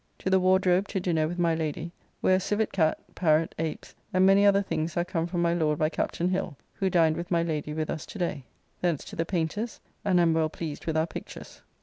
To the Wardrobe to dinner with my Lady; where a civitt cat, parrot, apes, and many other things are come from my Lord by Captain Hill, who dined with my Lady with us to day. Thence to the Paynter's, and am well pleased with our pictures.